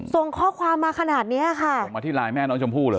ส่งข้อความมาขนาดนี้ค่ะส่งมาที่ไลน์แม่น้องชมพู่เลย